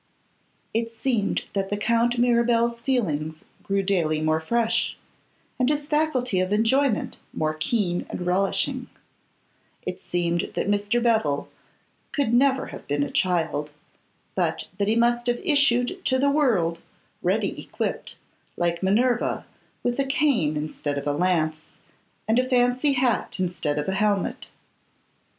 It seemed that the Count Mirabel's feelings grew daily more fresh, and his faculty of enjoyment more keen and relishing; it seemed that Mr. Bevil could never have been a child, but that he must have issued to the world ready equipped, like Minerva, with a cane instead of a lance, and a fancy hat instead of a helmet.